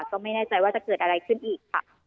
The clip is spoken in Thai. ก็ไม่แน่ใจว่าจะเกิดอะไรขึ้นอีกค่ะ